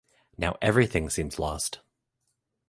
Now everything seems lost!